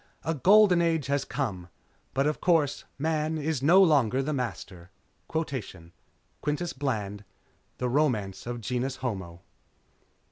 A Golden Age has come. But, of course, Man is no longer the Master._ _Quintus Bland, The Romance of Genus Homo.